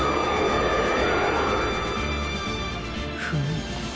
フム。